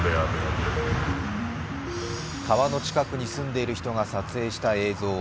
川の近くに住んでいる人が撮影した映像。